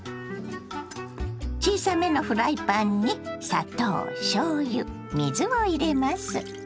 小さめのフライパンに砂糖しょうゆ水を入れます。